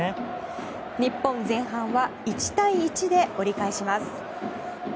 日本、前半は１対１で折り返します。